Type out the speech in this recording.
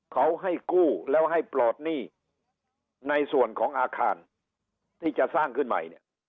เขาให้กู้แล้วให้ปลอดหนี้ในส่วนของอาคารที่จะสร้างขึ้นใหม่เนี่ย